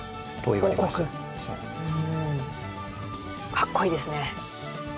かっこいいですね！